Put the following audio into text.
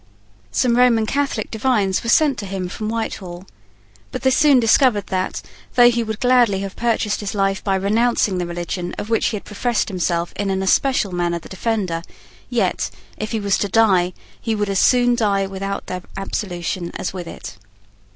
Some Roman Catholic divines were sent to him from Whitehall. But they soon discovered that, though he would gladly have purchased his life by renouncing the religion of which he had professed himself in an especial manner the defender, yet, if he was to die, he would as soon die without their absolution as with it.